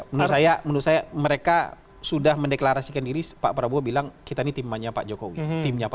menurut saya mereka sudah mendeklarasikan diri pak prabowo bilang kita ini timnya pak jokowi